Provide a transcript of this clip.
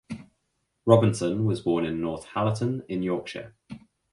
Robinson was born in Northallerton in Yorkshire.